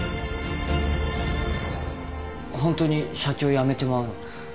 ホントに社長辞めてまうの？